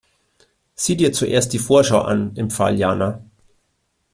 Sieh dir zuerst die Vorschau an, empfahl Jana.